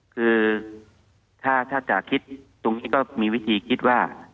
คือถ้าจะคิดตรงนี้ก็มีวิธีคิดว่า